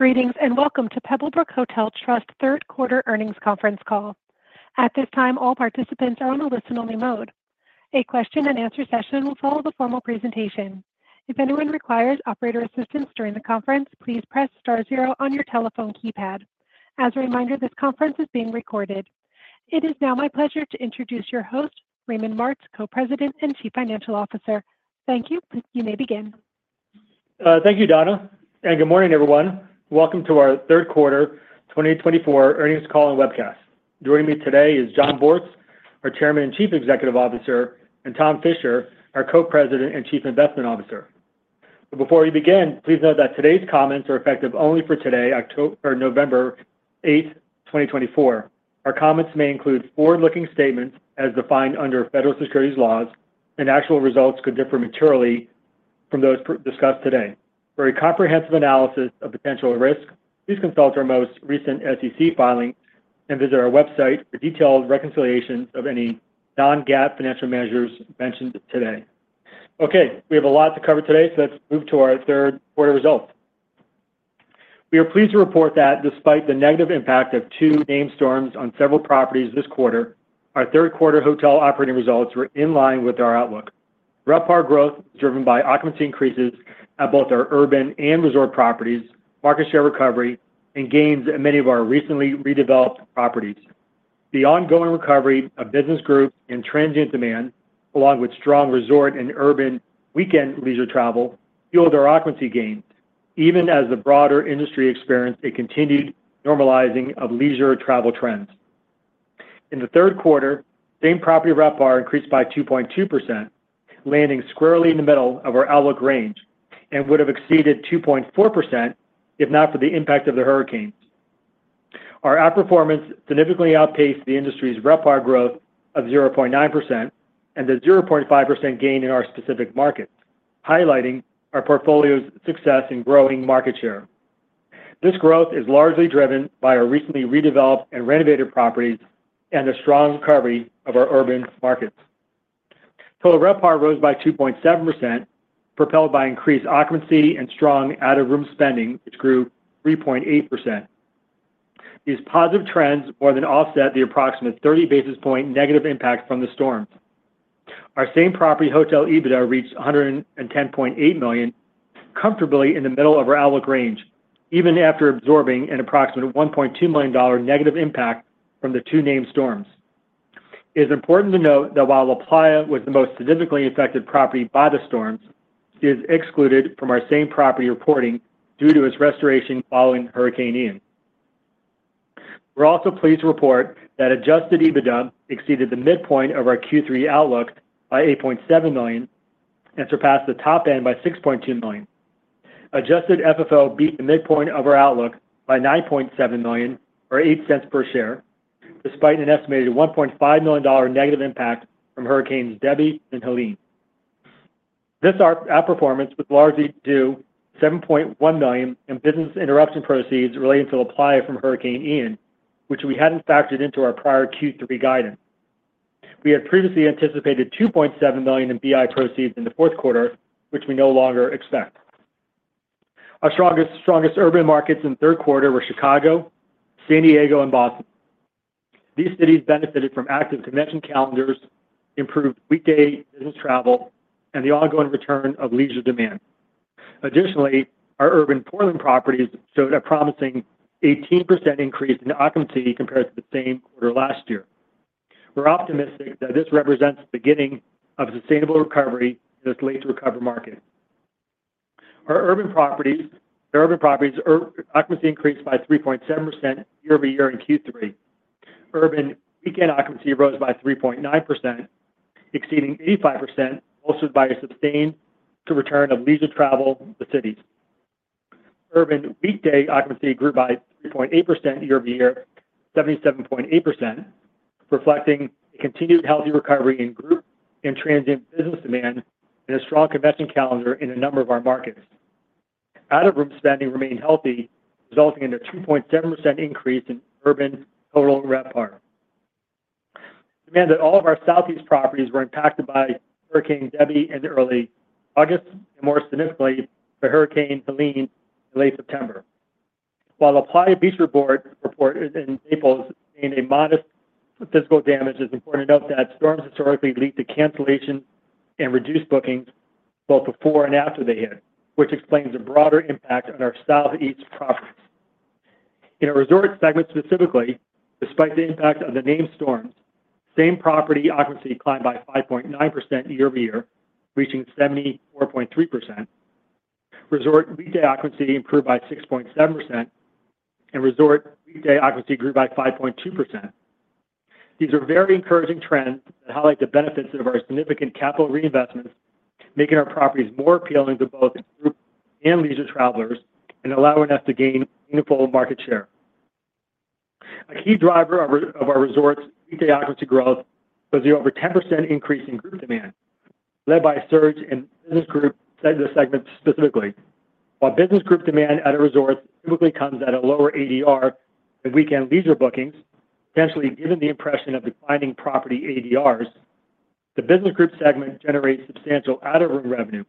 Greetings and welcome to Pebblebrook Hotel Trust Third Quarter Earnings Conference Call. At this time, all participants are on a listen-only mode. A question-and-answer session will follow the formal presentation. If anyone requires operator assistance during the conference, please press star zero on your telephone keypad. As a reminder, this conference is being recorded. It is now my pleasure to introduce your host, Raymond Martz, Co-President and Chief Financial Officer. Thank you. You may begin. Thank you, Donna. And good morning, everyone. Welcome to our Third Quarter 2024 Earnings Call and Webcast. Joining me today is Jon Bortz, our Chairman and Chief Executive Officer, and Tom Fisher, our Co-President and Chief Investment Officer. Before we begin, please note that today's comments are effective only for today, November 8, 2024. Our comments may include forward-looking statements as defined under federal securities laws, and actual results could differ materially from those discussed today. For a comprehensive analysis of potential risk, please consult our most recent SEC filing and visit our website for detailed reconciliations of any non-GAAP financial measures mentioned today. Okay, we have a lot to cover today, so let's move to our Third Quarter results. We are pleased to report that despite the negative impact of two named storms on several properties this quarter, our third quarter hotel operating results were in line with our outlook. RevPAR growth was driven by occupancy increases at both our urban and resort properties, market share recovery, and gains at many of our recently redeveloped properties. The ongoing recovery of business group and transient demand, along with strong resort and urban weekend leisure travel, fueled our occupancy gains, even as the broader industry experienced a continued normalizing of leisure travel trends. In the third quarter, same property RevPAR increased by 2.2%, landing squarely in the middle of our outlook range and would have exceeded 2.4% if not for the impact of the hurricanes. Our outperformance significantly outpaced the industry's RevPAR growth of 0.9% and the 0.5% gain in our specific markets, highlighting our portfolio's success in growing market share. This growth is largely driven by our recently redeveloped and renovated properties and the strong recovery of our urban markets. Total RevPAR rose by 2.7%, propelled by increased occupancy and strong out-of-room spending, which grew 3.8%. These positive trends more than offset the approximate 30 basis point negative impact from the storms. Our same property hotel EBITDA reached $110.8 million, comfortably in the middle of our outlook range, even after absorbing an approximate $1.2 million negative impact from the two named storms. It is important to note that while LaPlaya was the most significantly affected property by the storms, it is excluded from our same property reporting due to its restoration following Hurricane Ian. We're also pleased to report that adjusted EBITDA exceeded the midpoint of our Q3 outlook by $8.7 million and surpassed the top end by $6.2 million. Adjusted FFO beat the midpoint of our outlook by $9.7 million, or $0.08 per share, despite an estimated $1.5 million negative impact from Hurricanes Debbie and Helene. This outperformance was largely due to $7.1 million in business interruption proceeds relating to LaPlaya from Hurricane Ian, which we hadn't factored into our prior Q3 guidance. We had previously anticipated $2.7 million in BI proceeds in the fourth quarter, which we no longer expect. Our strongest urban markets in the third quarter were Chicago, San Diego, and Boston. These cities benefited from active convention calendars, improved weekday business travel, and the ongoing return of leisure demand. Additionally, our urban Portland properties showed a promising 18% increase in occupancy compared to the same quarter last year. We're optimistic that this represents the beginning of sustainable recovery in this late-to-recover market. Our urban properties' occupancy increased by 3.7% year-over-year in Q3. Urban weekend occupancy rose by 3.9%, exceeding 85%, bolstered by a sustained return of leisure travel in the cities. Urban weekday occupancy grew by 3.8% year-over-year, 77.8%, reflecting a continued healthy recovery in group and transient business demand and a strong convention calendar in a number of our markets. Out-of-room spending remained healthy, resulting in a 2.7% increase in urban total RevPAR. It's a demand that all of our southeast properties were impacted by Hurricane Debby in early August and, more significantly, Hurricane Helene in late September. While LaPlaya Beach & Golf Resort in Naples sustained modest physical damage, it's important to note that storms historically lead to cancellations and reduced bookings both before and after they hit, which explains the broader impact on our southeast properties. In our resort segment specifically, despite the impact of the named storms, same property occupancy climbed by 5.9% year-over-year, reaching 74.3%. Resort weekday occupancy improved by 6.7%, and resort weekday occupancy grew by 5.2%. These are very encouraging trends that highlight the benefits of our significant capital reinvestments, making our properties more appealing to both group and leisure travelers and allowing us to gain meaningful market share. A key driver of our resort's weekday occupancy growth was the over 10% increase in group demand, led by a surge in business group segment specifically. While business group demand at our resorts typically comes at a lower ADR than weekend leisure bookings, potentially giving the impression of declining property ADRs, the business group segment generates substantial out-of-room revenue,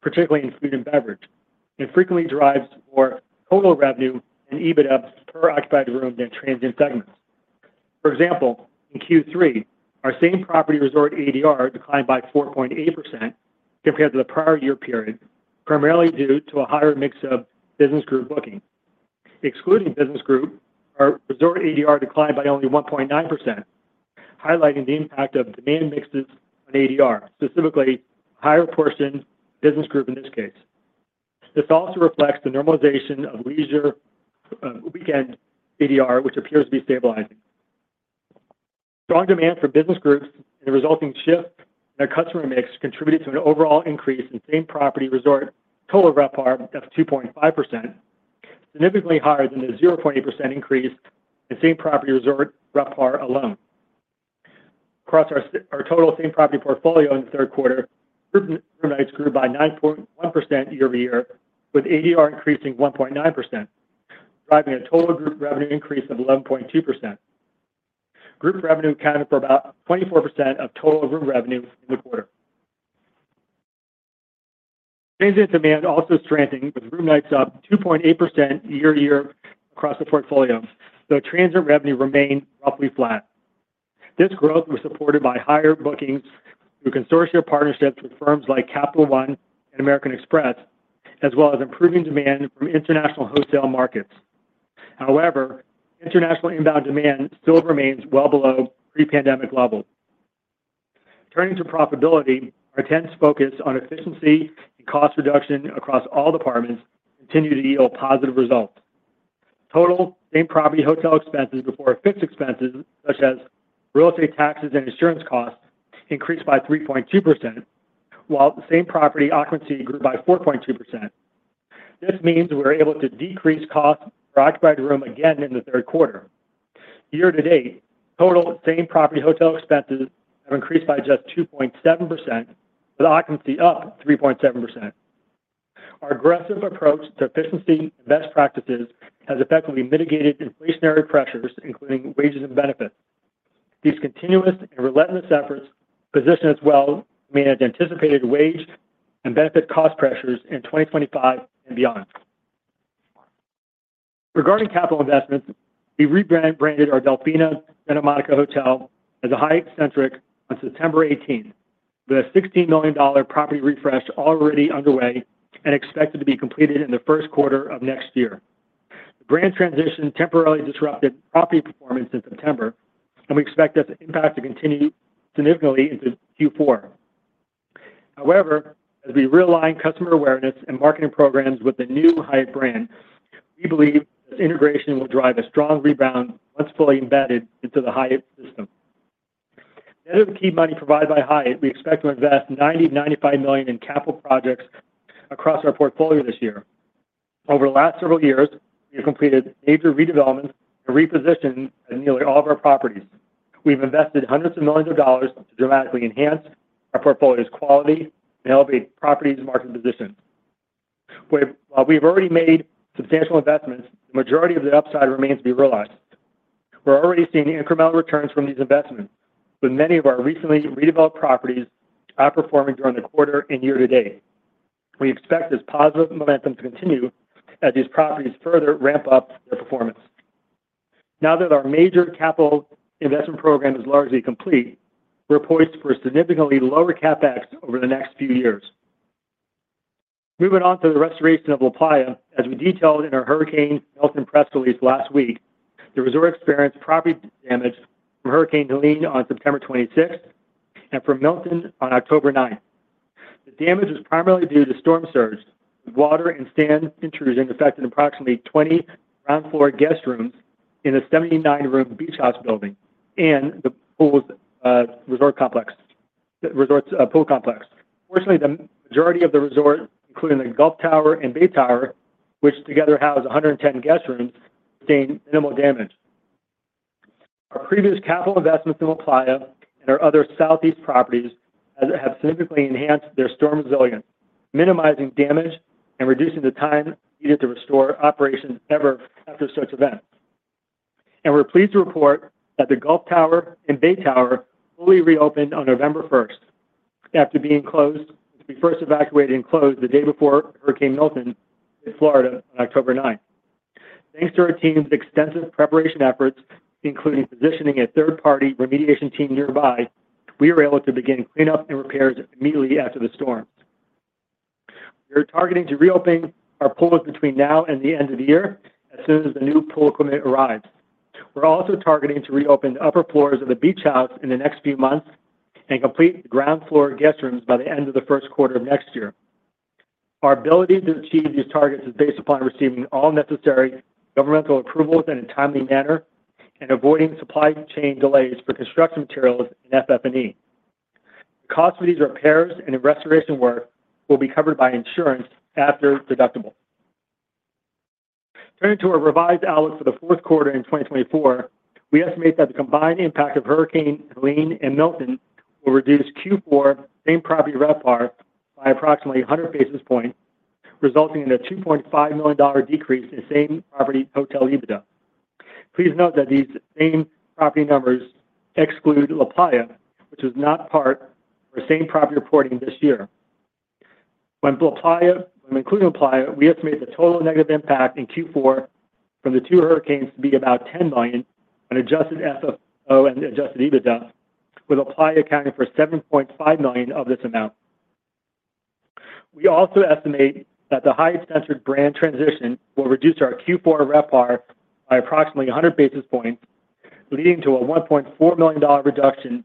particularly in food and beverage, and frequently drives more total revenue and EBITDA per occupied room than transient segments. For example, in Q3, our same property resort ADR declined by 4.8% compared to the prior year period, primarily due to a higher mix of business group booking. Excluding business group, our resort ADR declined by only 1.9%, highlighting the impact of demand mixes on ADR, specifically a higher portion of business group in this case. This also reflects the normalization of leisure weekend ADR, which appears to be stabilizing. Strong demand for business groups and the resulting shift in our customer mix contributed to an overall increase in same property resort total RevPAR of 2.5%, significantly higher than the 0.8% increase in same property resort RevPAR alone. Across our total same property portfolio in the third quarter, group nights grew by 9.1% year-over-year, with ADR increasing 1.9%, driving a total group revenue increase of 11.2%. Group revenue accounted for about 24% of total room revenue in the quarter. Transient demand also strengthened, with room nights up 2.8% year-over-year across the portfolio, though transient revenue remained roughly flat. This growth was supported by higher bookings through consortia partnerships with firms like Capital One and American Express, as well as improving demand from international hotel markets. However, international inbound demand still remains well below pre-pandemic levels. Turning to profitability, our intense focus on efficiency and cost reduction across all departments continued to yield positive results. Total same property hotel expenses before fixed expenses, such as real estate taxes and insurance costs, increased by 3.2%, while the same property occupancy grew by 4.2%. This means we were able to decrease costs for occupied room again in the third quarter. Year to date, total same property hotel expenses have increased by just 2.7%, with occupancy up 3.7%. Our aggressive approach to efficiency and best practices has effectively mitigated inflationary pressures, including wages and benefits. These continuous and relentless efforts position us well to manage anticipated wage and benefit cost pressures in 2025 and beyond. Regarding capital investments, we rebranded our Delfina Santa Monica Hotel as a Hyatt Centric on September 18, with a $16 million property refresh already underway and expected to be completed in the first quarter of next year. The brand transition temporarily disrupted property performance in September, and we expect this impact to continue significantly into Q4. However, as we realign customer awareness and marketing programs with the new Hyatt brand, we believe this integration will drive a strong rebound once fully embedded into the Hyatt system. In addition to the key money provided by Hyatt, we expect to invest $90-$95 million in capital projects across our portfolio this year. Over the last several years, we have completed major redevelopments and repositioned nearly all of our properties. We have invested hundreds of millions of dollars to dramatically enhance our portfolio's quality and elevate properties' market position. While we have already made substantial investments, the majority of the upside remains to be realized. We're already seeing incremental returns from these investments, with many of our recently redeveloped properties outperforming during the quarter and year to date. We expect this positive momentum to continue as these properties further ramp up their performance. Now that our major capital investment program is largely complete, we're poised for significantly lower CapEx over the next few years. Moving on to the restoration of LaPlaya, as we detailed in our Hurricane Milton press release last week, the resort experienced property damage from Hurricane Helene on September 26 and from Milton on October 9. The damage was primarily due to storm surge, with water and sand intrusion affecting approximately 20 ground floor guest rooms in the 79-room Beach House building and the pool complex. Fortunately, the majority of the resort, including the Gulf Tower and Bay Tower, which together house 110 guest rooms, sustained minimal damage. Our previous capital investments in LaPlaya and our other southeast properties have significantly enhanced their storm resilience, minimizing damage and reducing the time needed to restore operations even after such events. We're pleased to report that the Gulf Tower and Bay Tower fully reopened on November 1 after having first been evacuated and closed the day before Hurricane Milton hit Florida on October 9. Thanks to our team's extensive preparation efforts, including positioning a third-party remediation team nearby, we were able to begin cleanup and repairs immediately after the storms. We are targeting to reopen our pools between now and the end of the year as soon as the new pool equipment arrives. We're also targeting to reopen the upper floors of the Beach House in the next few months and complete the ground floor guest rooms by the end of the first quarter of next year. Our ability to achieve these targets is based upon receiving all necessary governmental approvals in a timely manner and avoiding supply chain delays for construction materials and FF&E. The costs for these repairs and restoration work will be covered by insurance after deductibles. Turning to our revised outlook for the fourth quarter in 2024, we estimate that the combined impact of Hurricane Helene and Milton will reduce Q4 same property RevPAR by approximately 100 basis points, resulting in a $2.5 million decrease in same property hotel EBITDA. Please note that these same property numbers exclude LaPlaya, which was not part of our same property reporting this year. When including LaPlaya, we estimate the total negative impact in Q4 from the two hurricanes to be about $10 million on Adjusted FFO and Adjusted EBITDA, with LaPlaya accounting for $7.5 million of this amount. We also estimate that the Hyatt Centric brand transition will reduce our Q4 RevPAR by approximately 100 basis points, leading to a $1.4 million reduction in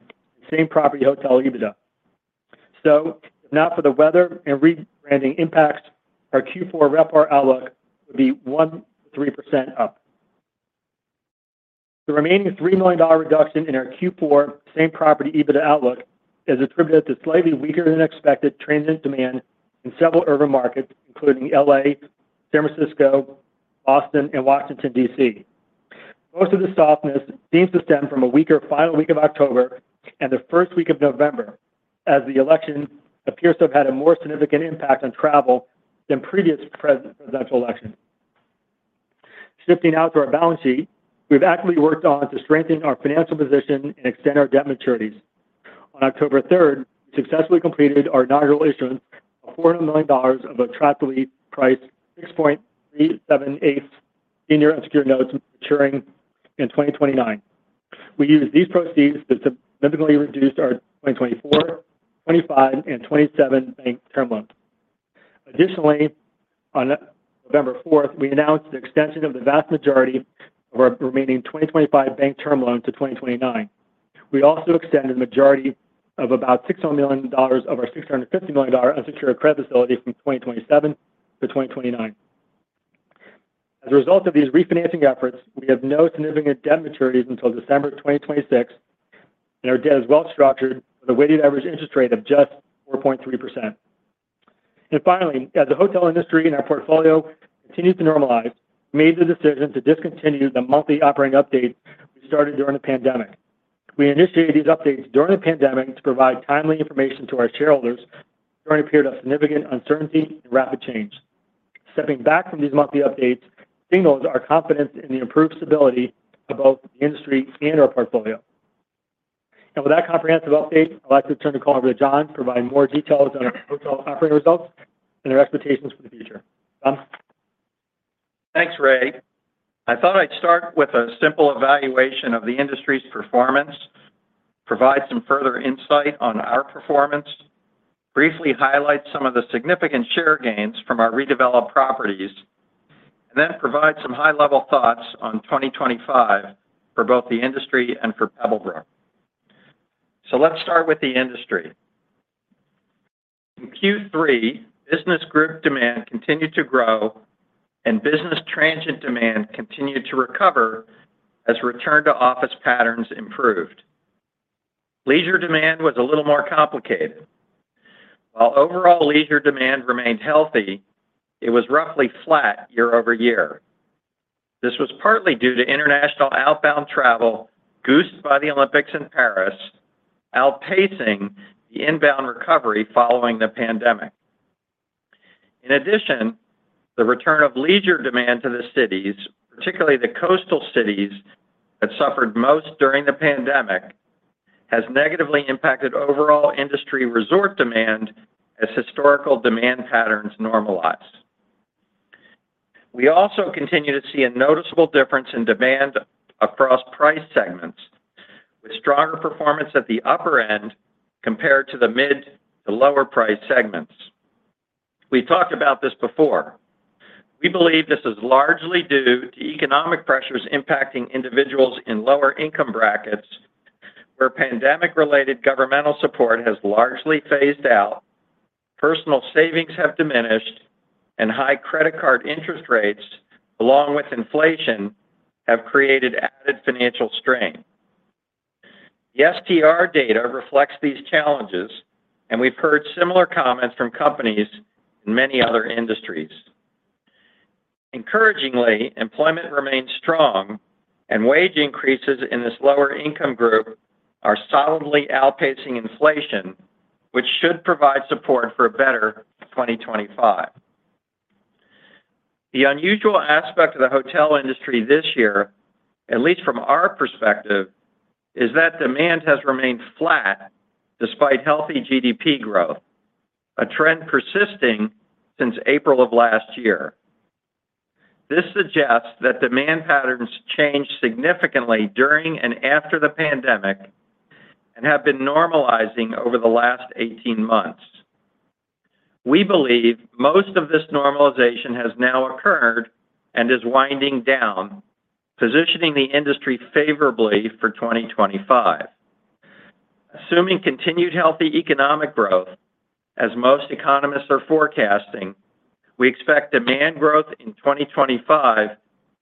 same property hotel EBITDA. So, if not for the weather and rebranding impacts, our Q4 RevPAR outlook would be 1.3% up. The remaining $3 million reduction in our Q4 same property EBITDA outlook is attributed to slightly weaker-than-expected transient demand in several urban markets, including LA, San Francisco, Boston, and Washington, D.C. Most of this softness seems to stem from a weaker final week of October and the first week of November, as the election appears to have had a more significant impact on travel than previous presidential elections. Shifting out to our balance sheet, we've actively worked on strengthening our financial position and extending our debt maturities. On October 3, we successfully completed our inaugural issuance of $400 million of 6.375% senior unsecured notes maturing in 2029. We used these proceeds to significantly reduce our 2024, 2025, and 2027 bank term loans. Additionally, on November 4, we announced the extension of the vast majority of our remaining 2025 bank term loans to 2029. We also extended the majority of about $600 million of our $650 million unsecured credit facility from 2027 to 2029. As a result of these refinancing efforts, we have no significant debt maturities until December 2026, and our debt is well-structured with a weighted average interest rate of just 4.3%. Finally, as the hotel industry and our portfolio continue to normalize, we made the decision to discontinue the monthly operating updates we started during the pandemic. We initiated these updates during the pandemic to provide timely information to our shareholders during a period of significant uncertainty and rapid change. Stepping back from these monthly updates signals our confidence in the improved stability of both the industry and our portfolio. With that comprehensive update, I'd like to turn the call over to Jon to provide more details on our hotel operating results and our expectations for the future. Tom? Thanks, Ray. I thought I'd start with a simple evaluation of the industry's performance, provide some further insight on our performance, briefly highlight some of the significant share gains from our redeveloped properties, and then provide some high-level thoughts on 2025 for both the industry and for Pebblebrook. So let's start with the industry. In Q3, business group demand continued to grow, and business transient demand continued to recover as return-to-office patterns improved. Leisure demand was a little more complicated. While overall leisure demand remained healthy, it was roughly flat year over year. This was partly due to international outbound travel goosed by the Olympics in Paris, outpacing the inbound recovery following the pandemic. In addition, the return of leisure demand to the cities, particularly the coastal cities that suffered most during the pandemic, has negatively impacted overall industry resort demand as historical demand patterns normalized. We also continue to see a noticeable difference in demand across price segments, with stronger performance at the upper end compared to the mid to lower-priced segments. We've talked about this before. We believe this is largely due to economic pressures impacting individuals in lower-income brackets, where pandemic-related governmental support has largely phased out, personal savings have diminished, and high credit card interest rates, along with inflation, have created added financial strain. The STR data reflects these challenges, and we've heard similar comments from companies in many other industries. Encouragingly, employment remains strong, and wage increases in this lower-income group are solidly outpacing inflation, which should provide support for a better 2025. The unusual aspect of the hotel industry this year, at least from our perspective, is that demand has remained flat despite healthy GDP growth, a trend persisting since April of last year. This suggests that demand patterns changed significantly during and after the pandemic and have been normalizing over the last 18 months. We believe most of this normalization has now occurred and is winding down, positioning the industry favorably for 2025. Assuming continued healthy economic growth, as most economists are forecasting, we expect demand growth in 2025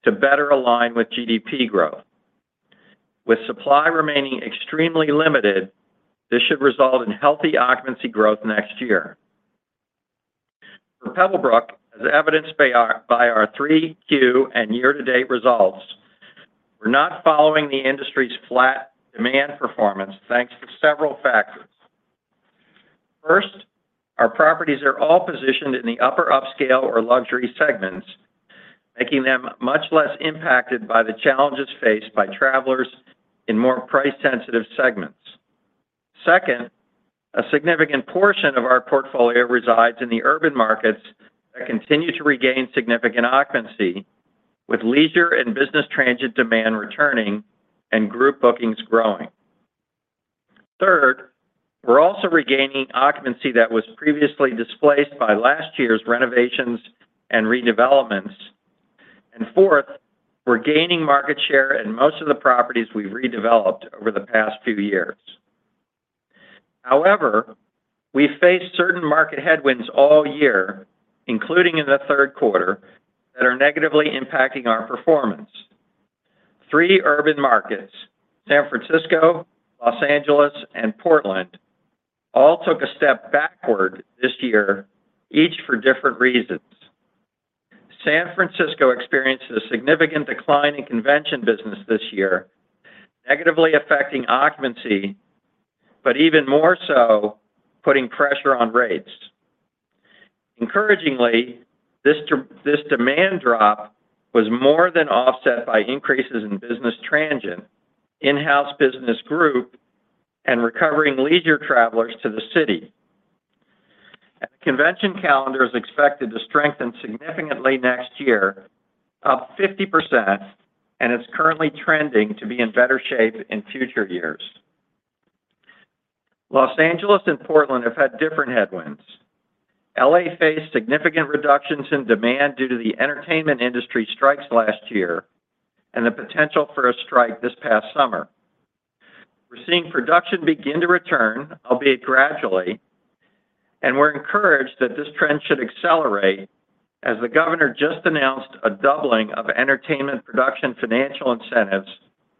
to better align with GDP growth. With supply remaining extremely limited, this should result in healthy occupancy growth next year. For Pebblebrook, as evidenced by our 3Q and year-to-date results, we're not following the industry's flat demand performance thanks to several factors. First, our properties are all positioned in the upper upscale or luxury segments, making them much less impacted by the challenges faced by travelers in more price-sensitive segments. Second, a significant portion of our portfolio resides in the urban markets that continue to regain significant occupancy, with leisure and business transient demand returning and group bookings growing. Third, we're also regaining occupancy that was previously displaced by last year's renovations and redevelopments. And fourth, we're gaining market share in most of the properties we've redeveloped over the past few years. However, we've faced certain market headwinds all year, including in the third quarter, that are negatively impacting our performance. Three urban markets, San Francisco, Los Angeles, and Portland, all took a step backward this year, each for different reasons. San Francisco experienced a significant decline in convention business this year, negatively affecting occupancy, but even more so, putting pressure on rates. Encouragingly, this demand drop was more than offset by increases in business transient, in-house business group, and recovering leisure travelers to the city. The convention calendar is expected to strengthen significantly next year, up 50%, and it's currently trending to be in better shape in future years. Los Angeles and Portland have had different headwinds. LA faced significant reductions in demand due to the entertainment industry strikes last year and the potential for a strike this past summer. We're seeing production begin to return, albeit gradually, and we're encouraged that this trend should accelerate as the governor just announced a doubling of entertainment production financial incentives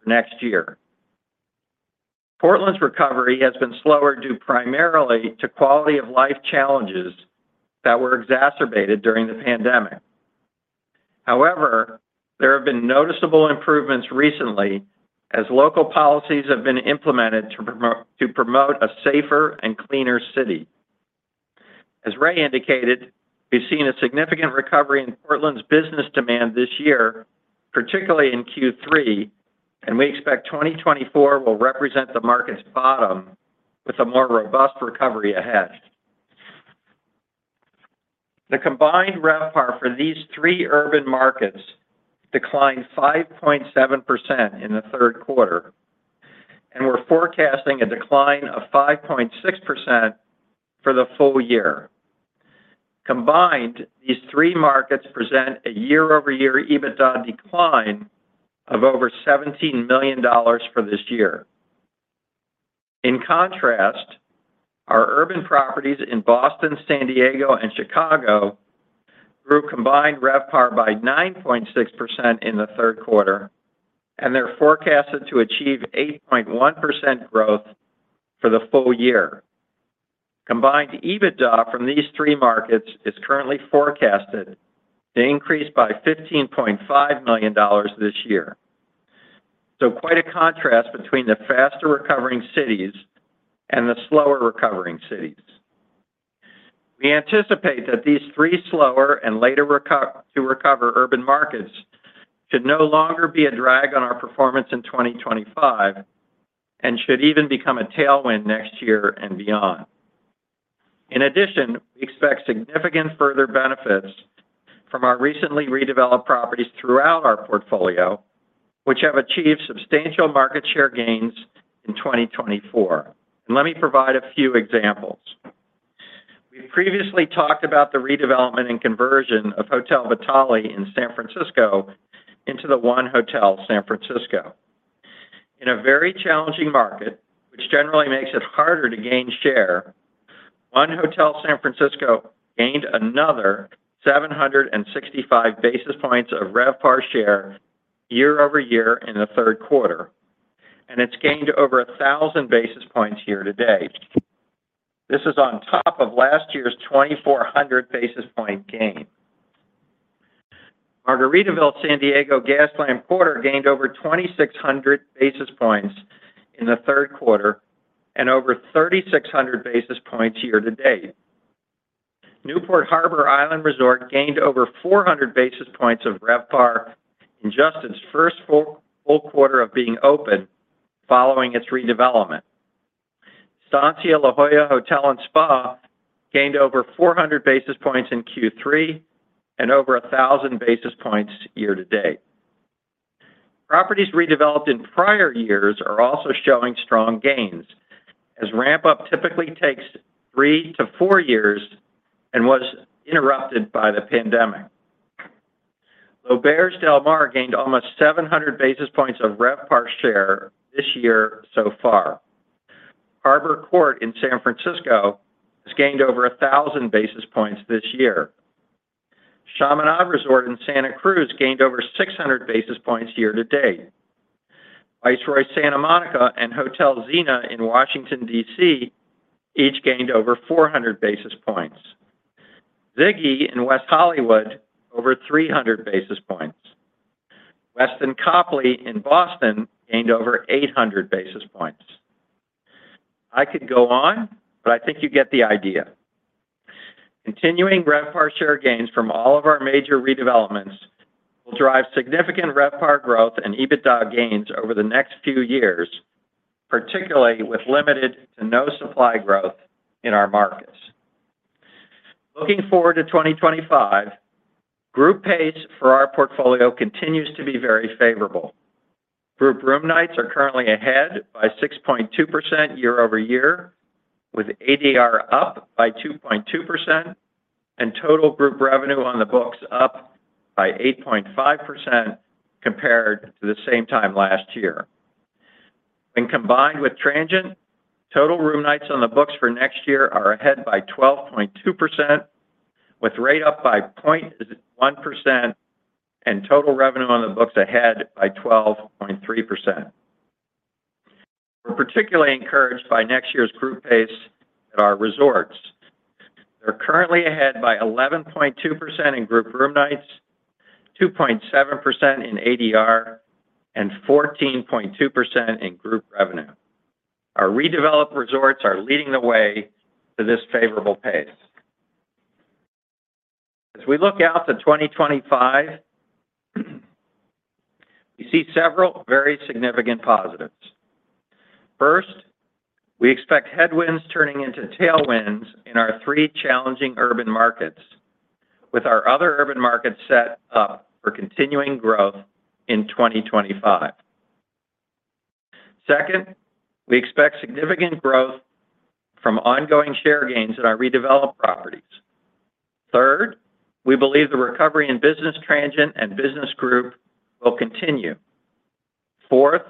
for next year. Portland's recovery has been slower due primarily to quality-of-life challenges that were exacerbated during the pandemic. However, there have been noticeable improvements recently as local policies have been implemented to promote a safer and cleaner city. As Ray indicated, we've seen a significant recovery in Portland's business demand this year, particularly in Q3, and we expect 2024 will represent the market's bottom with a more robust recovery ahead. The combined RevPAR for these three urban markets declined 5.7% in the third quarter, and we're forecasting a decline of 5.6% for the full year. Combined, these three markets present a year-over-year EBITDA decline of over $17 million for this year. In contrast, our urban properties in Boston, San Diego, and Chicago grew combined RevPAR by 9.6% in the third quarter, and they're forecasted to achieve 8.1% growth for the full year. Combined EBITDA from these three markets is currently forecasted to increase by $15.5 million this year. So quite a contrast between the faster-recovering cities and the slower-recovering cities. We anticipate that these three slower and later-to-recover urban markets should no longer be a drag on our performance in 2025 and should even become a tailwind next year and beyond. In addition, we expect significant further benefits from our recently redeveloped properties throughout our portfolio, which have achieved substantial market share gains in 2024. And let me provide a few examples. We've previously talked about the redevelopment and conversion of Hotel Vitale in San Francisco into the 1 Hotel San Francisco. In a very challenging market, which generally makes it harder to gain share, 1 Hotel San Francisco gained another 765 basis points of RevPAR share year-over-year in the third quarter, and it's gained over 1,000 basis points here today. This is on top of last year's 2,400 basis point gain. Hilton San Diego Gaslamp Quarter gained over 2,600 basis points in the third quarter and over 3,600 basis points here today. Newport Harbor Island Resort gained over 400 basis points of RevPAR in just its first full quarter of being opened following its redevelopment. Estancia La Jolla Hotel & Spa gained over 400 basis points in Q3 and over 1,000 basis points here today. Properties redeveloped in prior years are also showing strong gains, as ramp-up typically takes three to four years and was interrupted by the pandemic. L'Auberge Del Mar gained almost 700 basis points of RevPAR share this year so far. Harbor Court in San Francisco has gained over 1,000 basis points this year. Chaminade Resort & Spa in Santa Cruz gained over 600 basis points here today. Viceroy Santa Monica and Hotel Zena in Washington, D.C., each gained over 400 basis points. Ziggy in West Hollywood, over 300 basis points. Westin Copley in Boston gained over 800 basis points. I could go on, but I think you get the idea. Continuing RevPAR share gains from all of our major redevelopments will drive significant RevPAR growth and EBITDA gains over the next few years, particularly with limited to no supply growth in our markets. Looking forward to 2025, group pace for our portfolio continues to be very favorable. Group room nights are currently ahead by 6.2% year-over-year, with ADR up by 2.2% and total group revenue on the books up by 8.5% compared to the same time last year. When combined with transient, total room nights on the books for next year are ahead by 12.2%, with rate up by 0.1% and total revenue on the books ahead by 12.3%. We're particularly encouraged by next year's group pace at our resorts. They're currently ahead by 11.2% in group room nights, 2.7% in ADR, and 14.2% in group revenue. Our redeveloped resorts are leading the way to this favorable pace. As we look out to 2025, we see several very significant positives. First, we expect headwinds turning into tailwinds in our three challenging urban markets, with our other urban markets set up for continuing growth in 2025. Second, we expect significant growth from ongoing share gains in our redeveloped properties. Third, we believe the recovery in business transient and business group will continue. Fourth,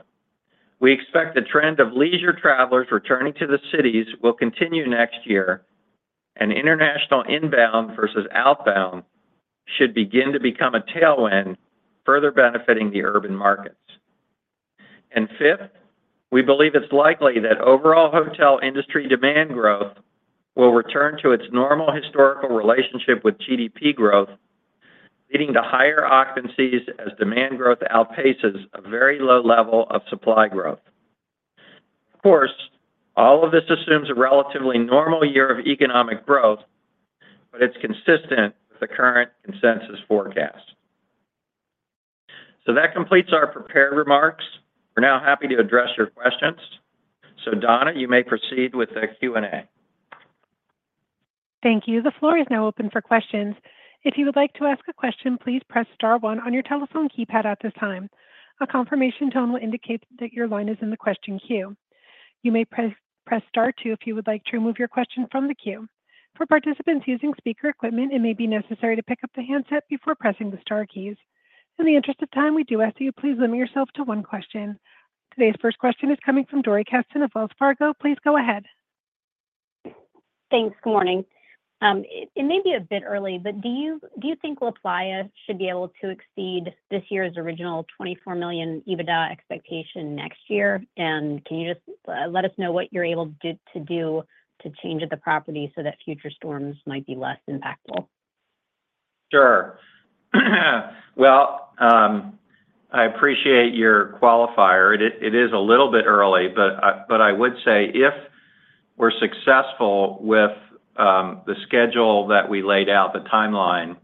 we expect the trend of leisure travelers returning to the cities will continue next year, and international inbound versus outbound should begin to become a tailwind, further benefiting the urban markets. And fifth, we believe it's likely that overall hotel industry demand growth will return to its normal historical relationship with GDP growth, leading to higher occupancies as demand growth outpaces a very low level of supply growth. Of course, all of this assumes a relatively normal year of economic growth, but it's consistent with the current consensus forecast. So that completes our prepared remarks. We're now happy to address your questions. So, Donna, you may proceed with the Q&A. Thank you. The floor is now open for questions. If you would like to ask a question, please press Star 1 on your telephone keypad at this time. A confirmation tone will indicate that your line is in the question queue. You may press Star 2 if you would like to remove your question from the queue. For participants using speaker equipment, it may be necessary to pick up the handset before pressing the Star keys. In the interest of time, we do ask that you please limit yourself to one question. Today's first question is coming from Dori Kesten of Wells Fargo. Please go ahead. Thanks. Good morning. It may be a bit early, but do you think La Playa should be able to exceed this year's original $24 million EBITDA expectation next year? And can you just let us know what you're able to do to change at the property so that future storms might be less impactful? Sure. Well, I appreciate your qualifier. It is a little bit early, but I would say if we're successful with the schedule that we laid out, the timeline,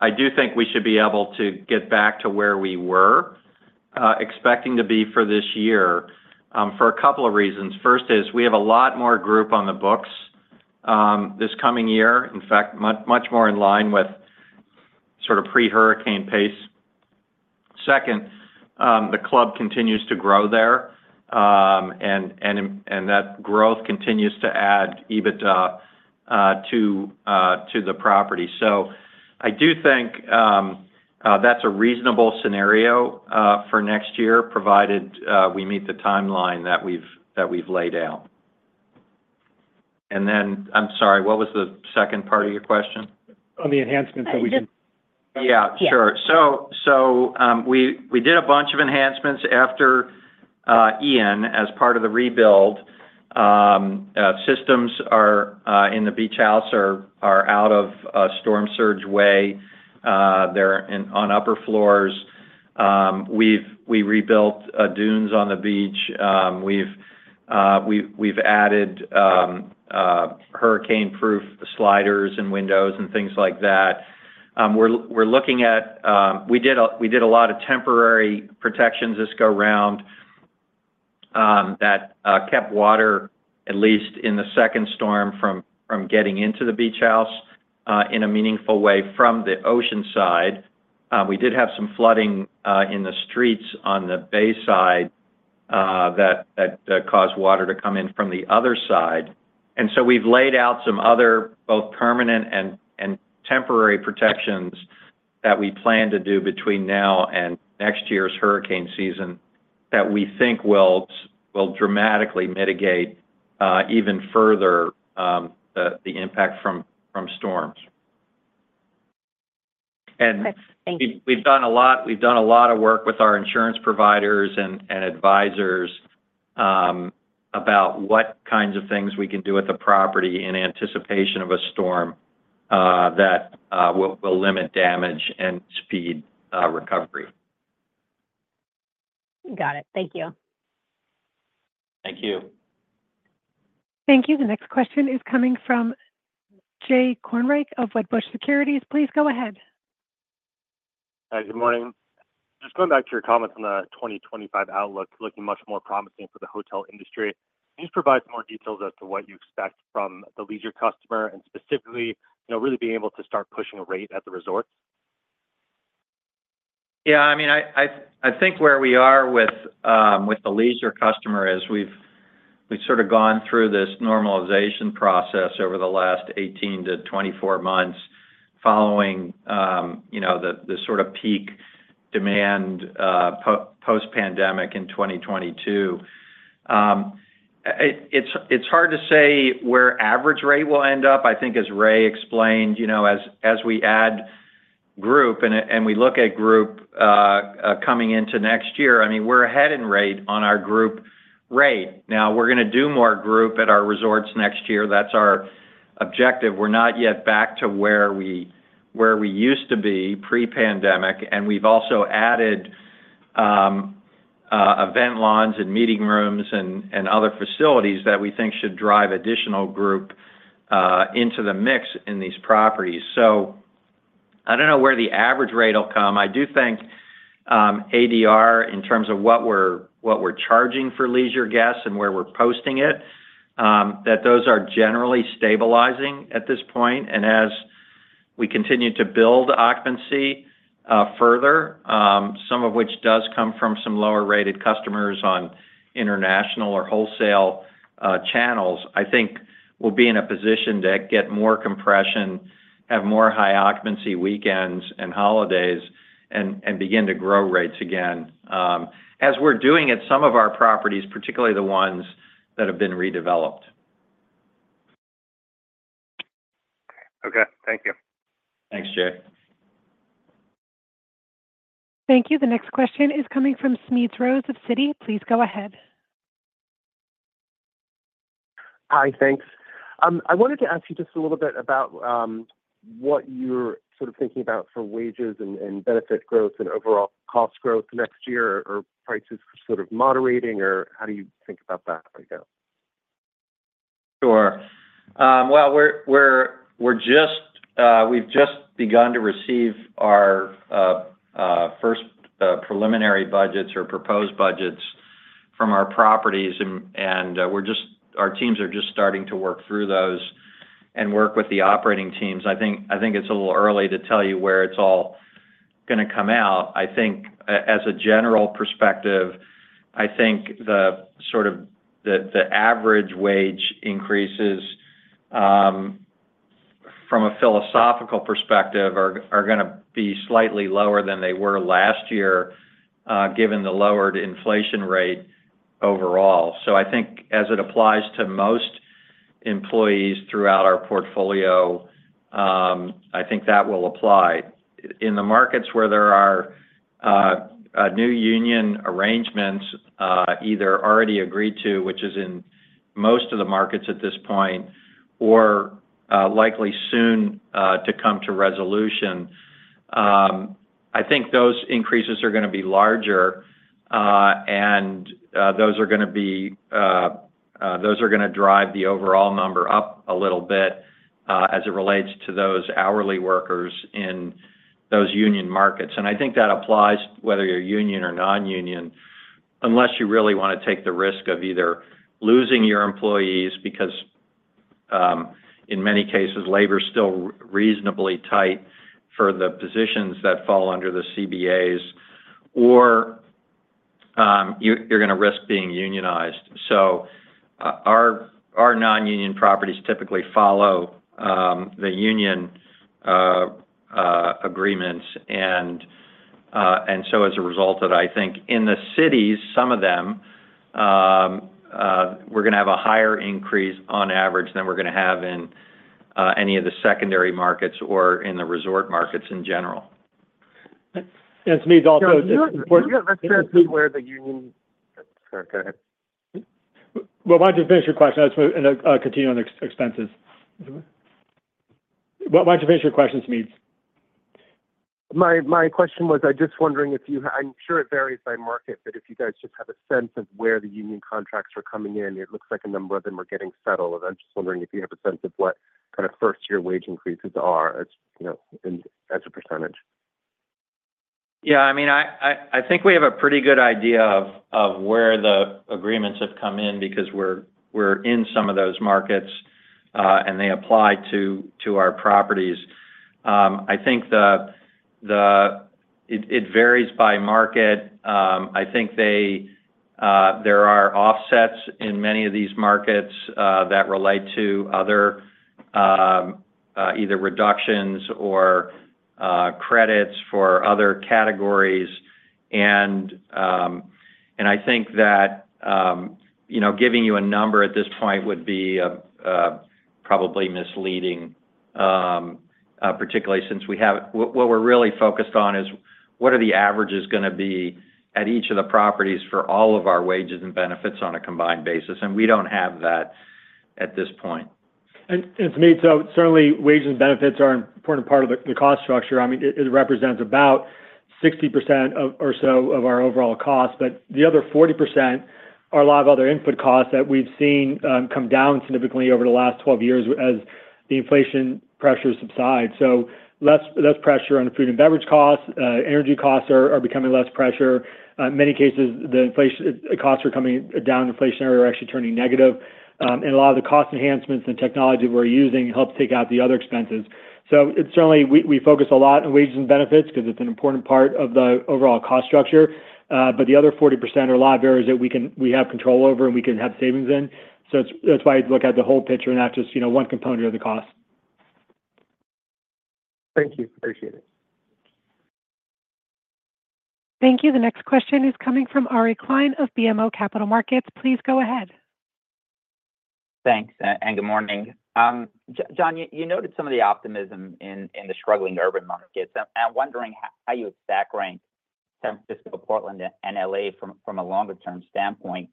I do think we should be able to get back to where we were expecting to be for this year for a couple of reasons. First is we have a lot more group on the books this coming year, in fact, much more in line with sort of pre-hurricane pace. Second, the club continues to grow there, and that growth continues to add EBITDA to the property. So I do think that's a reasonable scenario for next year, provided we meet the timeline that we've laid out. And then, I'm sorry, what was the second part of your question? On the enhancements that we did. Yeah. Sure. So we did a bunch of enhancements after Ian, as part of the rebuild. Systems in the Beach House are out of the storm surge way. They're on upper floors. We rebuilt dunes on the beach. We've added hurricane-proof sliders and windows and things like that. We're looking at what we did, a lot of temporary protections this go-round that kept water, at least in the second storm, from getting into the Beach House in a meaningful way from the ocean side. We did have some flooding in the streets on the bay side that caused water to come in from the other side. So we've laid out some other both permanent and temporary protections that we plan to do between now and next year's hurricane season that we think will dramatically mitigate even further the impact from storms. And we've done a lot of work with our insurance providers and advisors about what kinds of things we can do with the property in anticipation of a storm that will limit damage and speed recovery. Got it. Thank you. Thank you. Thank you. The next question is coming from Jay Kornreich of Wedbush Securities. Please go ahead. Hi. Good morning. Just going back to your comments on the 2025 outlook, looking much more promising for the hotel industry. Can you just provide some more details as to what you expect from the leisure customer and specifically really being able to start pushing a rate at the resorts? Yeah. I mean, I think where we are with the leisure customer is we've sort of gone through this normalization process over the last 18 to 24 months following the sort of peak demand post-pandemic in 2022. It's hard to say where average rate will end up. I think, as Ray explained, as we add group and we look at group coming into next year, I mean, we're ahead in rate on our group rate. Now, we're going to do more group at our resorts next year. That's our objective. We're not yet back to where we used to be pre-pandemic, and we've also added event lawns and meeting rooms and other facilities that we think should drive additional group into the mix in these properties, so I don't know where the average rate will come. I do think ADR, in terms of what we're charging for leisure guests and where we're posting it, that those are generally stabilizing at this point. And as we continue to build occupancy further, some of which does come from some lower-rated customers on international or wholesale channels, I think we'll be in a position to get more compression, have more high-occupancy weekends and holidays, and begin to grow rates again as we're doing at some of our properties, particularly the ones that have been redeveloped. Okay. Thank you. Thanks, Jay. Thank you. The next question is coming from Smedes Rose of Citi. Please go ahead. Hi. Thanks. I wanted to ask you just a little bit about what you're sort of thinking about for wages and benefit growth and overall cost growth next year, or prices sort of moderating, or how do you think about that right now? Sure. Well, we've just begun to receive our first preliminary budgets or proposed budgets from our properties. And our teams are just starting to work through those and work with the operating teams. I think it's a little early to tell you where it's all going to come out. I think, as a general perspective, I think the sort of average wage increases from a philosophical perspective are going to be slightly lower than they were last year, given the lowered inflation rate overall. So I think, as it applies to most employees throughout our portfolio, I think that will apply. In the markets where there are new union arrangements either already agreed to, which is in most of the markets at this point, or likely soon to come to resolution, I think those increases are going to be larger, and those are going to drive the overall number up a little bit as it relates to those hourly workers in those union markets. And I think that applies whether you're union or non-union, unless you really want to take the risk of either losing your employees because, in many cases, labor is still reasonably tight for the positions that fall under the CBAs, or you're going to risk being unionized. So our non-union properties typically follow the union agreements. And so, as a result of that, I think, in the cities, some of them, we're going to have a higher increase on average than we're going to have in any of the secondary markets or in the resort markets in general. And Smedes also. Go ahead. Well, why don't you finish your question? I just want to continue on the expenses. Why don't you finish your question, Smedes? My question was. I'm just wondering if you. I'm sure it varies by market, but if you guys just have a sense of where the union contracts are coming in. It looks like a number of them are getting settled. And I'm just wondering if you have a sense of what kind of first-year wage increases are as a percentage. Yeah. I mean, I think we have a pretty good idea of where the agreements have come in because we're in some of those markets, and they apply to our properties. I think it varies by market. I think there are offsets in many of these markets that relate to other either reductions or credits for other categories. And I think that giving you a number at this point would be probably misleading, particularly since we have what we're really focused on is what are the averages going to be at each of the properties for all of our wages and benefits on a combined basis. And we don't have that at this point. And Smedes, certainly, wages and benefits are an important part of the cost structure. I mean, it represents about 60% or so of our overall cost. But the other 40% are a lot of other input costs that we've seen come down significantly over the last 12 years as the inflation pressure subsides. So less pressure on food and beverage costs. Energy costs are becoming less pressure. In many cases, the costs are coming down. Inflationary are actually turning negative. And a lot of the cost enhancements and technology we're using help take out the other expenses. So certainly, we focus a lot on wages and benefits because it's an important part of the overall cost structure. But the other 40% are a lot of areas that we have control over and we can have savings in. So that's why I look at the whole picture and not just one component of the cost. Thank you. Appreciate it. Thank you. The next question is coming from Ari Klein of BMO Capital Markets. Please go ahead. Thanks. Good morning. Jon, you noted some of the optimism in the struggling urban markets. I'm wondering how you would stack rank San Francisco, Portland, and LA from a longer-term standpoint.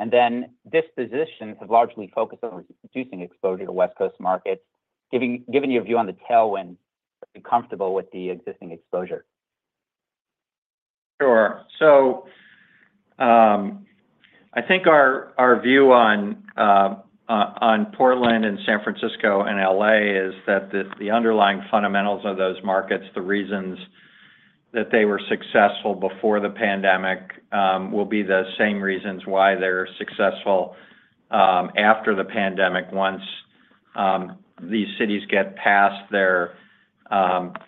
Dispositions have largely focused on reducing exposure to West Coast markets. Given your view on the tailwinds, are you comfortable with the existing exposure? Sure. I think our view on Portland and San Francisco and LA is that the underlying fundamentals of those markets, the reasons that they were successful before the pandemic, will be the same reasons why they're successful after the pandemic once these cities get past their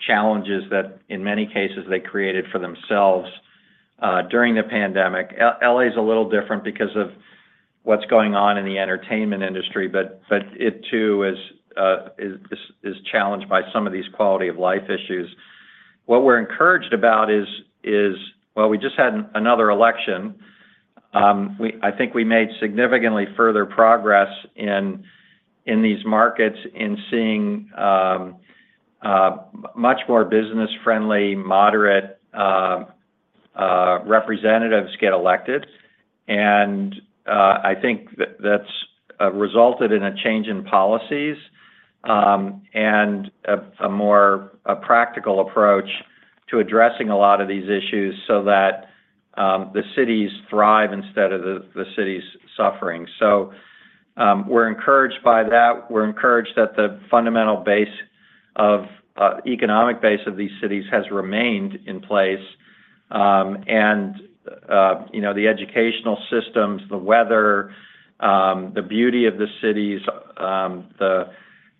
challenges that, in many cases, they created for themselves during the pandemic. LA is a little different because of what's going on in the entertainment industry, but it too is challenged by some of these quality of life issues. What we're encouraged about is, well, we just had another election. I think we made significantly further progress in these markets in seeing much more business-friendly, moderate representatives get elected, and I think that's resulted in a change in policies and a more practical approach to addressing a lot of these issues so that the cities thrive instead of the cities suffering, so we're encouraged by that. We're encouraged that the fundamental economic base of these cities has remained in place, and the educational systems, the weather, the beauty of the cities, the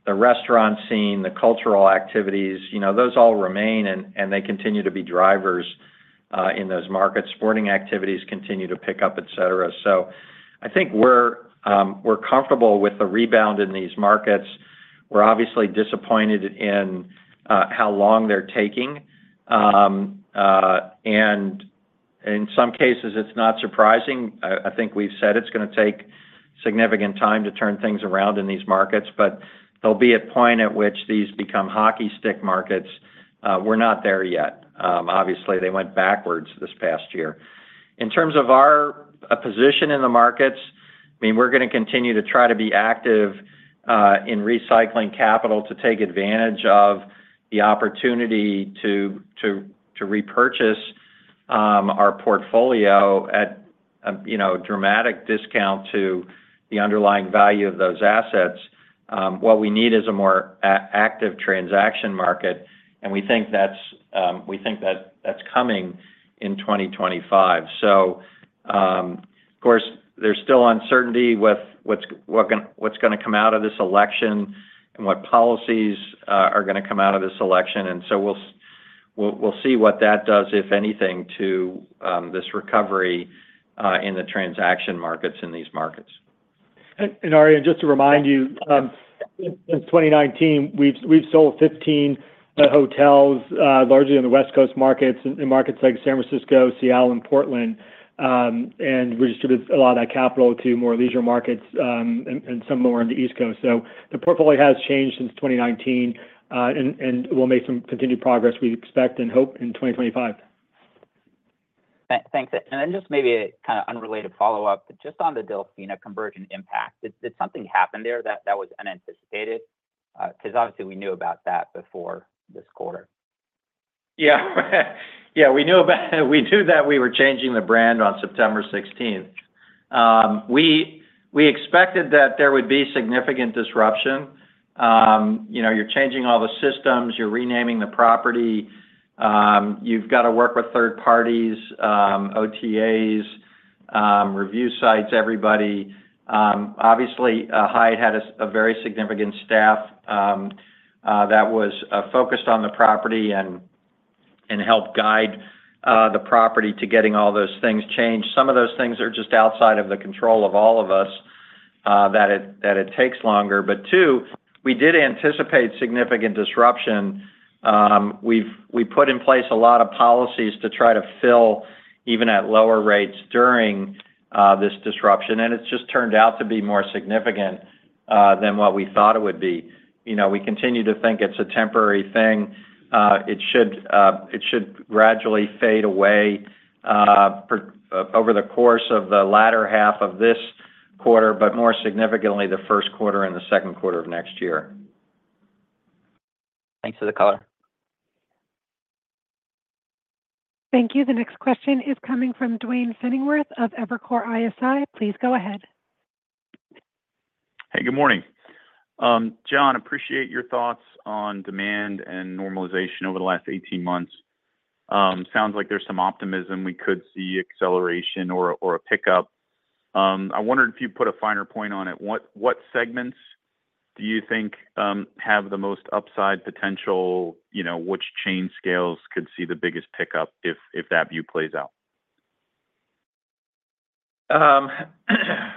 restaurant scene, the cultural activities, those all remain, and they continue to be drivers in those markets. Sporting activities continue to pick up, etc., so I think we're comfortable with the rebound in these markets. We're obviously disappointed in how long they're taking, and in some cases, it's not surprising. I think we've said it's going to take significant time to turn things around in these markets, but there'll be a point at which these become hockey stick markets. We're not there yet. Obviously, they went backwards this past year. In terms of our position in the markets, I mean, we're going to continue to try to be active in recycling capital to take advantage of the opportunity to repurchase our portfolio at a dramatic discount to the underlying value of those assets. What we need is a more active transaction market, and we think that's coming in 2025, so of course, there's still uncertainty with what's going to come out of this election and what policies are going to come out of this election, and so we'll see what that does, if anything, to this recovery in the transaction markets in these markets. And Ari, just to remind you, since 2019, we've sold 15 hotels, largely on the West Coast markets in markets like San Francisco, Seattle, and Portland, and redistributed a lot of that capital to more leisure markets and some more on the East Coast. So the portfolio has changed since 2019, and we'll make some continued progress we expect and hope in 2025. Thanks. And then just maybe a kind of unrelated follow-up, but just on the Delfina conversion impact, did something happen there that was unanticipated? Because obviously, we knew about that before this quarter. Yeah. Yeah. We knew that we were changing the brand on September 16th. We expected that there would be significant disruption. You're changing all the systems. You're renaming the property. You've got to work with third parties, OTAs, review sites, everybody. Obviously, Hyatt had a very significant staff that was focused on the property and helped guide the property to getting all those things changed. Some of those things are just outside of the control of all of us that it takes longer. But two, we did anticipate significant disruption. We put in place a lot of policies to try to fill even at lower rates during this disruption. And it's just turned out to be more significant than what we thought it would be. We continue to think it's a temporary thing. It should gradually fade away over the course of the latter half of this quarter, but more significantly, the first quarter and the second quarter of next year. Thanks for the call. Thank you. The next question is coming from Duane Pfennigwerth of Evercore ISI. Please go ahead. Hey, good morning. Jon, appreciate your thoughts on demand and normalization over the last 18 months. Sounds like there's some optimism. We could see acceleration or a pickup. I wondered if you'd put a finer point on it. What segments do you think have the most upside potential? Which chain scales could see the biggest pickup if that view plays out?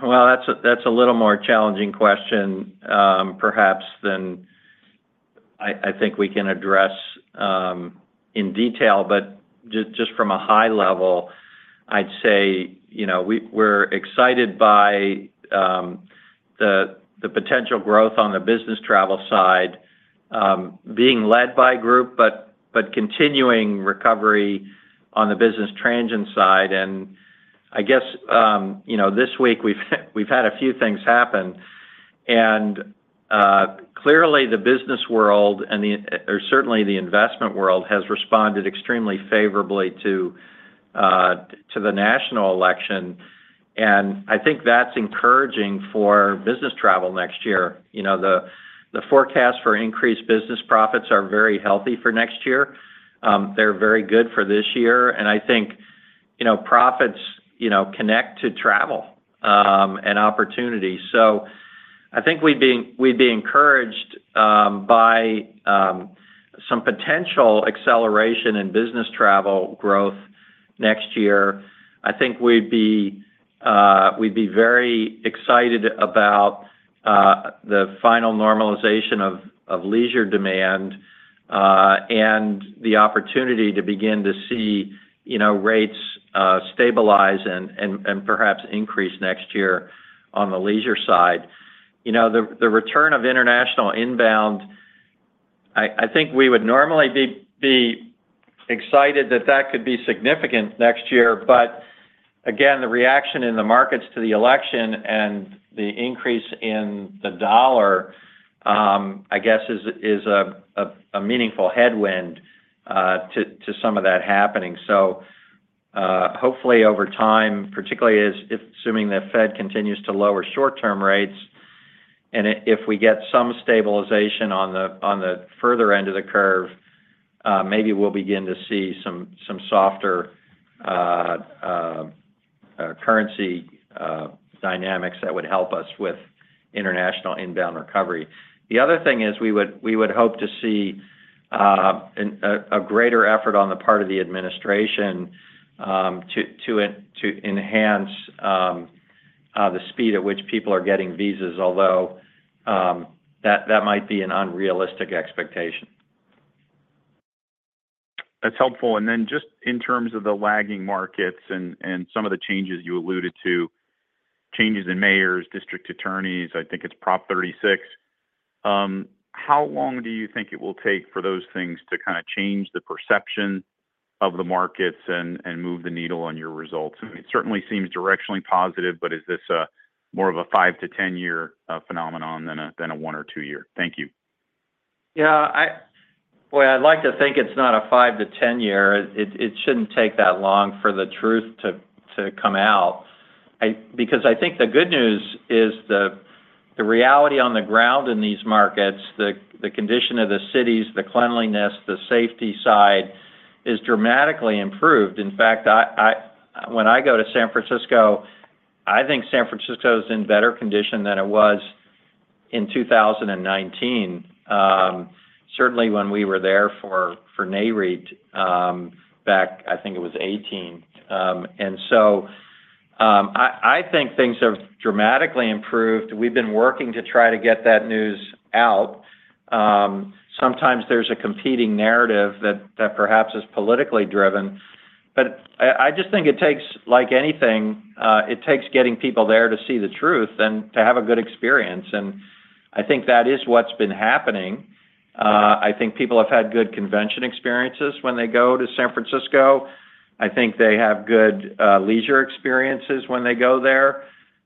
Well, that's a little more challenging question perhaps than I think we can address in detail. But just from a high level, I'd say we're excited by the potential growth on the business travel side, being led by a group, but continuing recovery on the business transient side. And I guess this week, we've had a few things happen. And clearly, the business world, or certainly the investment world, has responded extremely favorably to the national election. And I think that's encouraging for business travel next year. The forecasts for increased business profits are very healthy for next year. They're very good for this year, and I think profits connect to travel and opportunity, so I think we'd be encouraged by some potential acceleration in business travel growth next year. I think we'd be very excited about the final normalization of leisure demand and the opportunity to begin to see rates stabilize and perhaps increase next year on the leisure side. The return of international inbound, I think we would normally be excited that that could be significant next year, but again, the reaction in the markets to the election and the increase in the dollar, I guess, is a meaningful headwind to some of that happening. So hopefully, over time, particularly assuming the Fed continues to lower short-term rates, and if we get some stabilization on the further end of the curve, maybe we'll begin to see some softer currency dynamics that would help us with international inbound recovery. The other thing is we would hope to see a greater effort on the part of the administration to enhance the speed at which people are getting visas, although that might be an unrealistic expectation. That's helpful. And then just in terms of the lagging markets and some of the changes you alluded to, changes in mayors, district attorneys, I think it's Prop 36. How long do you think it will take for those things to kind of change the perception of the markets and move the needle on your results? I mean, it certainly seems directionally positive, but is this more of a 5 to 10-year phenomenon than a one or two-year? Thank you. Yeah. Boy, I'd like to think it's not a 5 to 10-year. It shouldn't take that long for the truth to come out. Because I think the good news is the reality on the ground in these markets, the condition of the cities, the cleanliness, the safety side is dramatically improved. In fact, when I go to San Francisco, I think San Francisco is in better condition than it was in 2019, certainly when we were there for Nareit back, I think it was 2018. And so I think things have dramatically improved. We've been working to try to get that news out. Sometimes there's a competing narrative that perhaps is politically driven. But I just think it takes, like anything, it takes getting people there to see the truth and to have a good experience. And I think that is what's been happening. I think people have had good convention experiences when they go to San Francisco. I think they have good leisure experiences when they go there.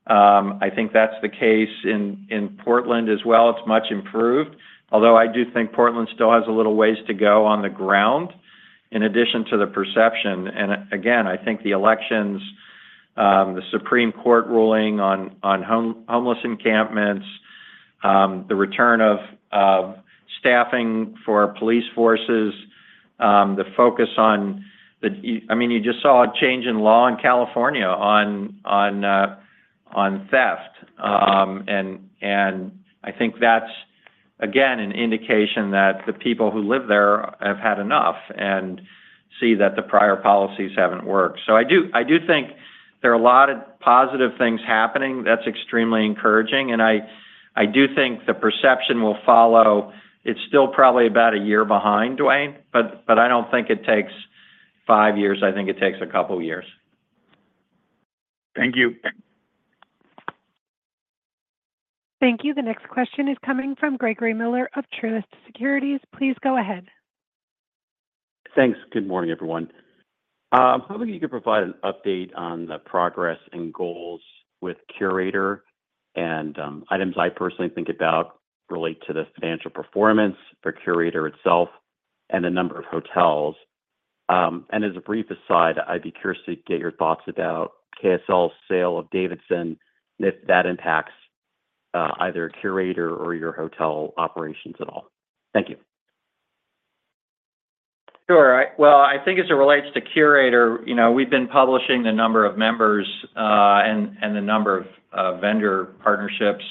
I think that's the case in Portland as well. It's much improved. Although I do think Portland still has a little ways to go on the ground in addition to the perception. And again, I think the elections, the Supreme Court ruling on homeless encampments, the return of staffing for police forces, the focus on the, I mean, you just saw a change in law in California on theft. And I think that's, again, an indication that the people who live there have had enough and see that the prior policies haven't worked. So I do think there are a lot of positive things happening. That's extremely encouraging. And I do think the perception will follow. It's still probably about a year behind, Duane, but I don't think it takes five years. I think it takes a couple of years. Thank you. Thank you. The next question is coming from Gregory Miller of Truist Securities. Please go ahead. Thanks. Good morning, everyone. I'm hoping you could provide an update on the progress and goals with Curator and items I personally think about relate to the financial performance for Curator itself and the number of hotels. And as a brief aside, I'd be curious to get your thoughts about KSL's sale of Davidson and if that impacts either Curator or your hotel operations at all. Thank you. Sure. I think as it relates to Curator, we've been publishing the number of members and the number of vendor partnerships.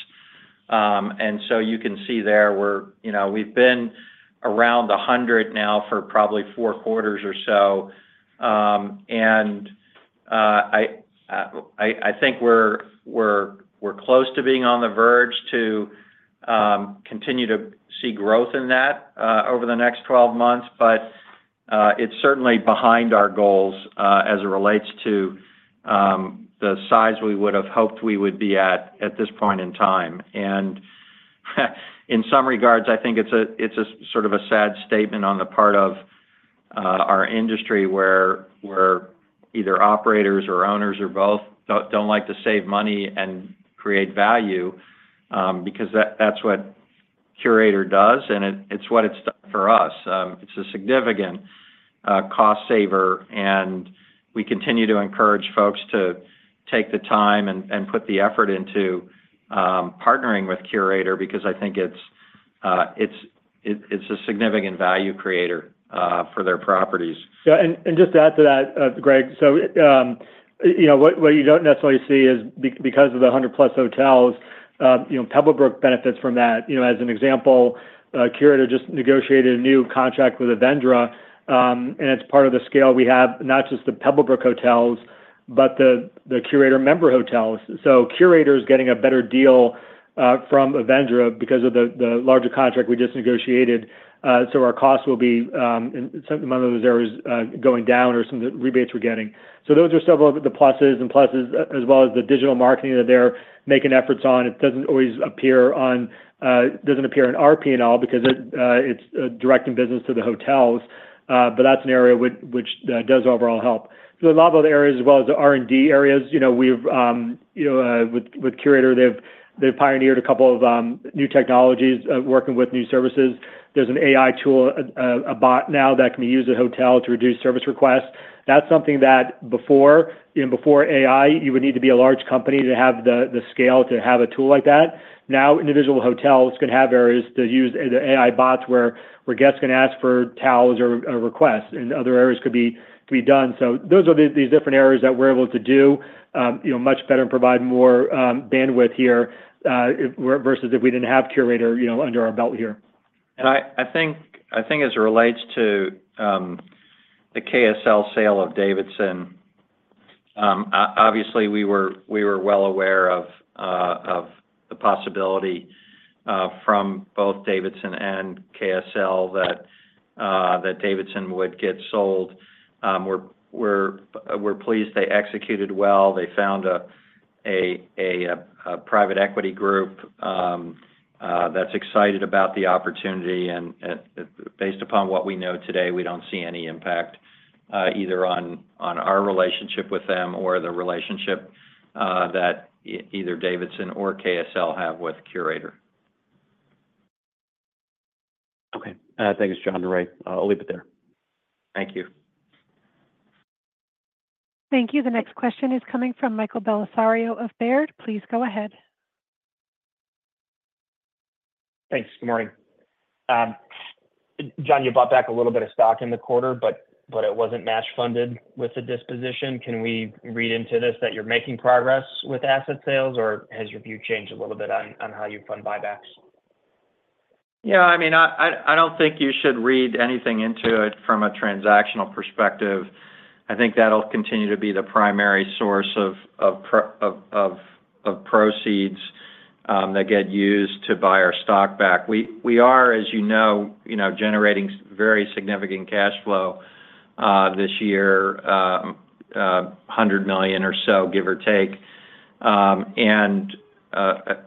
So you can see there we've been around 100 now for probably four quarters or so. I think we're close to being on the verge to continue to see growth in that over the next 12 months. It's certainly behind our goals as it relates to the size we would have hoped we would be at at this point in time. In some regards, I think it's sort of a sad statement on the part of our industry where either operators or owners or both don't like to save money and create value because that's what Curator does. It's what it's done for us. It's a significant cost saver. And we continue to encourage folks to take the time and put the effort into partnering with Curator because I think it's a significant value creator for their properties. Yeah. And just to add to that, Greg, so what you don't necessarily see is because of the 100-plus hotels, Pebblebrook benefits from that. As an example, Curator just negotiated a new contract with Avendra. And it's part of the scale we have, not just the Pebblebrook hotels, but the Curator member hotels. So Curator is getting a better deal from Avendra because of the larger contract we just negotiated. So our cost will be in some of those areas going down or some of the rebates we're getting. So those are some of the pluses and pluses as well as the digital marketing that they're making efforts on. It doesn't always appear in our P&L because it's directing business to the hotels. But that's an area which does overall help. There's a lot of other areas as well as the R and D areas. We've, with Curator, they've pioneered a couple of new technologies working with new services. There's an AI tool, a bot now that can be used at hotels to reduce service requests. That's something that before AI, you would need to be a large company to have the scale to have a tool like that. Now, individual hotels can have areas to use the AI bots where guests can ask for towels or requests. And other areas could be done. So those are these different areas that we're able to do much better and provide more bandwidth here versus if we didn't have Curator under our belt here. And I think as it relates to the KSL sale of Davidson, obviously, we were well aware of the possibility from both Davidson and KSL that Davidson would get sold. We're pleased they executed well. They found a private equity group that's excited about the opportunity. And based upon what we know today, we don't see any impact either on our relationship with them or the relationship that either Davidson or KSL have with Curator. Okay. Thanks, Jon. I'll leave it there. Thank you. Thank you. The next question is coming from Michael Bellisario of Baird. Please go ahead. Thanks. Good morning. Jon, you bought back a little bit of stock in the quarter, but it wasn't matched funded with the disposition. Can we read into this that you're making progress with asset sales, or has your view changed a little bit on how you fund buybacks? Yeah. I mean, I don't think you should read anything into it from a transactional perspective. I think that'll continue to be the primary source of proceeds that get used to buy our stock back. We are, as you know, generating very significant cash flow this year, $100 million or so, give or take. And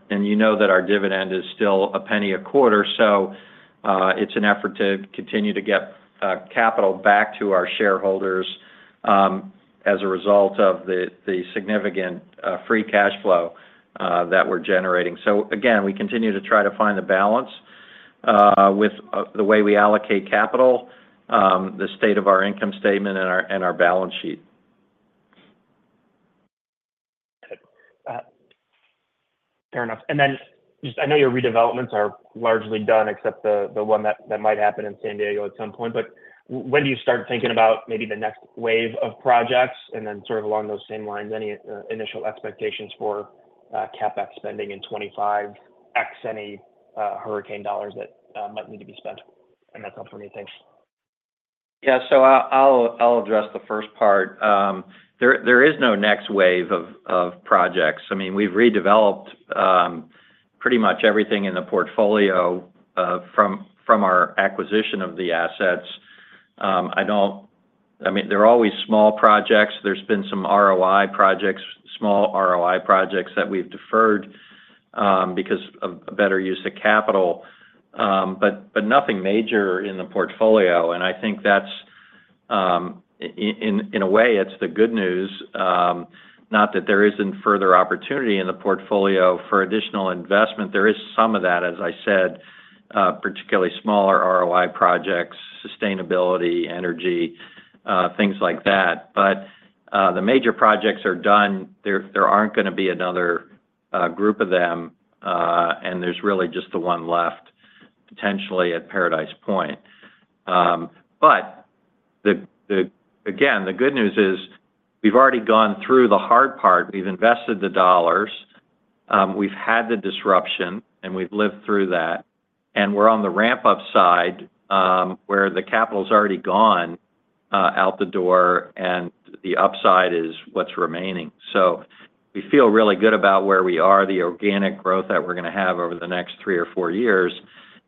you know that our dividend is still $0.01 a quarter. So it's an effort to continue to get capital back to our shareholders as a result of the significant free cash flow that we're generating. So again, we continue to try to find the balance with the way we allocate capital, the state of our income statement, and our balance sheet. Fair enough. And then I know your redevelopments are largely done, except the one that might happen in San Diego at some point. But when do you start thinking about maybe the next wave of projects? And then sort of along those same lines, any initial expectations for CapEx spending in 2025, ex any hurricane dollars that might need to be spent? And that's all for me. Thanks. Yeah. So I'll address the first part. There is no next wave of projects. I mean, we've redeveloped pretty much everything in the portfolio from our acquisition of the assets. I mean, there are always small projects. There's been some ROI projects, small ROI projects that we've deferred because of better use of capital. But nothing major in the portfolio. And I think that's in a way, it's the good news. Not that there isn't further opportunity in the portfolio for additional investment. There is some of that, as I said, particularly smaller ROI projects, sustainability, energy, things like that. But the major projects are done. There aren't going to be another group of them. And there's really just the one left potentially at Paradise Point. But again, the good news is we've already gone through the hard part. We've invested the dollars. We've had the disruption, and we've lived through that. And we're on the ramp-up side where the capital's already gone out the door, and the upside is what's remaining. So we feel really good about where we are, the organic growth that we're going to have over the next three or four years,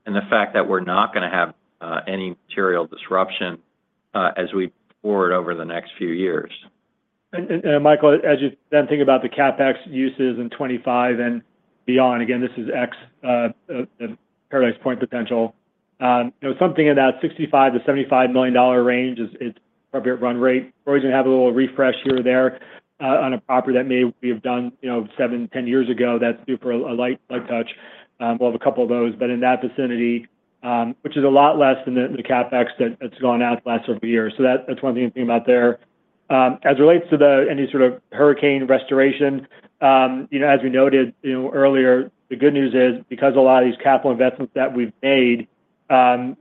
and the fact that we're not going to have any material disruption as we forward over the next few years. And Michael, as you then think about the CapEx uses in 2025 and beyond, again, this is ex Paradise Point potential. Something in that $65-$75 million range is appropriate run rate. We're always going to have a little refresh here or there on a property that maybe we have done seven, 10 years ago that's due for a light touch. We'll have a couple of those. But in that vicinity, which is a lot less than the CapEx that's gone out the last several years. So that's one thing to think about there. As it relates to any sort of hurricane restoration, as we noted earlier, the good news is because a lot of these capital investments that we've made,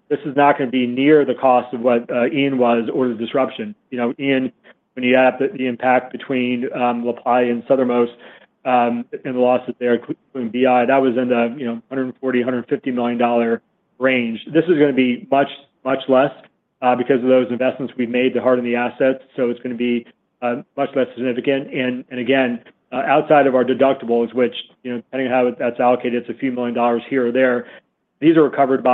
this is not going to be near the cost of what Ian was or the disruption. Ian, when you add up the impact between LaPlaya and Southernmost and the losses there from BI, that was in the $140-$150 million range. This is going to be much, much less because of those investments we've made to harden the assets. So it's going to be much less significant. And again, outside of our deductibles, which depending on how that's allocated, it's a few million dollars here or there. These are covered,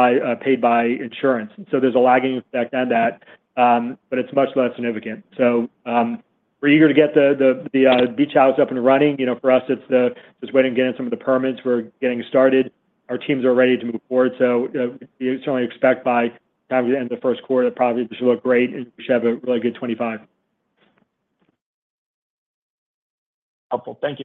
paid by insurance. So there's a lagging effect on that, but it's much less significant. So we're eager to get the beach house up and running. For us, it's just waiting to get in some of the permits. We're getting started. Our teams are ready to move forward. So we certainly expect by the time we end the first quarter, it probably should look great and we should have a really good 2025. Helpful. Thank you.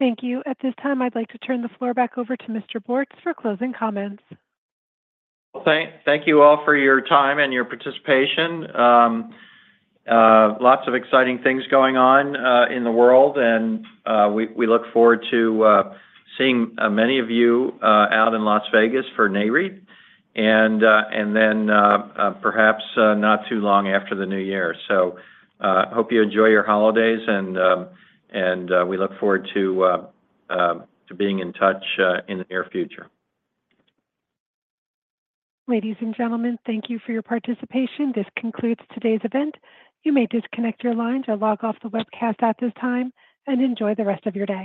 Thank you. At this time, I'd like to turn the floor back over to Mr. Bortz for closing comments. Thank you all for your time and your participation. Lots of exciting things going on in the world. We look forward to seeing many of you out in Las Vegas for Nareit. Then perhaps not too long after the New Year. Hope you enjoy your holidays. We look forward to being in touch in the near future. Ladies and gentlemen, thank you for your participation. This concludes today's event. You may disconnect your lines or log off the webcast at this time and enjoy the rest of your day.